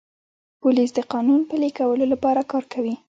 پولیس د قانون پلي کولو لپاره کار کوي.